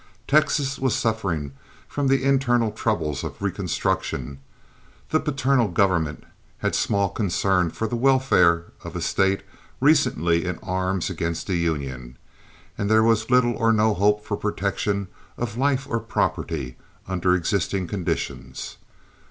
Texas was suffering from the internal troubles of Reconstruction, the paternal government had small concern for the welfare of a State recently in arms against the Union, and there was little or no hope for protection of life or property under existing conditions.